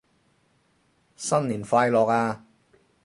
新年快樂啊